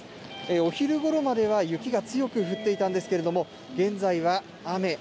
お昼ごろまでは雪が強く降っていたんですけれども現在は雨。